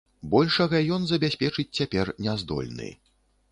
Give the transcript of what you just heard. Большага ён забяспечыць цяпер не здольны.